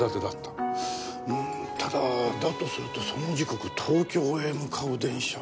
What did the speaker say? うんただだとするとその時刻東京へ向かう電車は。